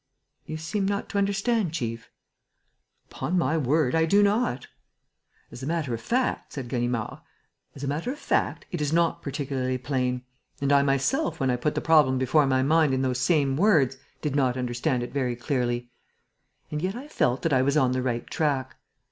You seem not to understand, chief?" "Upon my word, I do not!" "As a matter of fact," said Ganimard, "as a matter of fact, it is not particularly plain. And I myself, when I put the problem before my mind in those same words, did not understand it very clearly.... And yet I felt that I was on the right track....